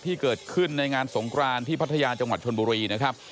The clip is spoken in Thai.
ที่เกิดขึ้นในงานสงครานที่พัทยาจังหวัดชนบุรีนะครับ